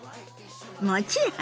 もちろんよ。